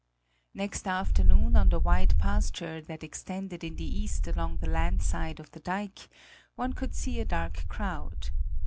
Next afternoon on the wide pasture that extended in the east along the land side of the dike, one could see a dark crowd.